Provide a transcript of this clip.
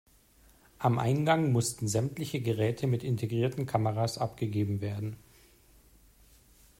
Am Eingang mussten sämtliche Geräte mit integrierten Kameras abgegeben werden.